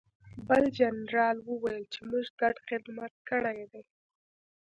بل جنرال وویل چې موږ ګډ خدمت کړی دی